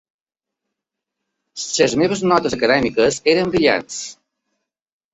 Les meves notes acadèmiques eren brillants.